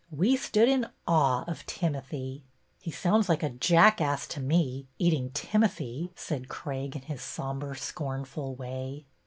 We stood in awe of Timothy." '' He sounds like a jackass to me, eating tim othy," said Craig, in his sombre, scornful way.